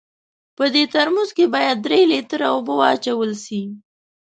په دې ترموز کې باید درې لیټره اوبه واچول سي.